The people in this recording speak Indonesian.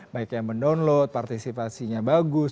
baik yang mendownload partisipasinya bagus